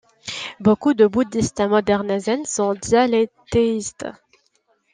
Beaucoup de bouddhistes modernes zen sont dialethéistes.